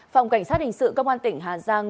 phòng cảnh sát hình sự công an tỉnh hà giang